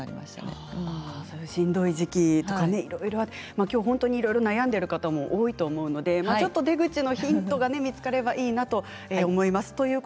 しんどい時期いろいろあってきょうはいろいろ悩んでいる方も多いと思うのでちょっと出口のヒントが見つかればいいなと思います。